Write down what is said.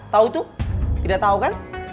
tau tuh tidak tau kan